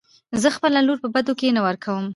زه خپله لور په بدو کې نه ورکم .